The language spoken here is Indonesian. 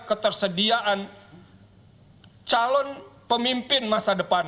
ketersediaan calon pemimpin masa depan